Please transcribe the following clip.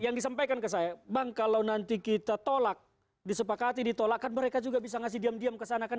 yang disampaikan ke saya bang kalau nanti kita tolak disepakati ditolakkan mereka juga bisa ngasih diam diam kesana kan